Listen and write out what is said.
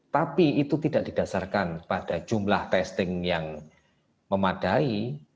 tapi itu tidak didasarkan pada jumlah testing yang memadai